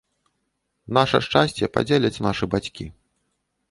Наша шчасце падзеляць нашы бацькі.